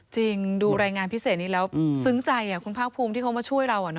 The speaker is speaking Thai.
ดูรายงานพิเศษนี้แล้วซึ้งใจคุณภาคภูมิที่เขามาช่วยเรา